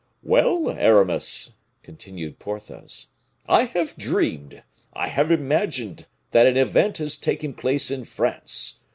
"Well! Aramis," continued Porthos, "I have dreamed, I have imagined that an event has taken place in France.